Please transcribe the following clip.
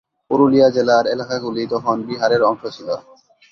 পুরুলিয়া জেলার এলাকাগুলি তখন বিহারের অংশ ছিল।